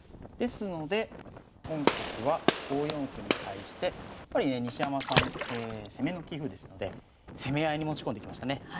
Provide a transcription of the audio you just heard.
ですので本局は５四歩に対してやっぱりね西山さん攻めの棋風ですので攻め合いに持ち込んできましたね。